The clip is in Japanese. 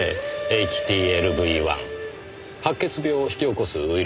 ＨＴＬＶ‐１白血病を引き起こすウイルスです。